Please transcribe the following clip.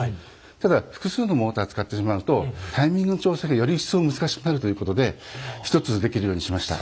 ただ複数のモーター使ってしまうとタイミングの調整がよりいっそう難しくなるということで１つでできるようにしました。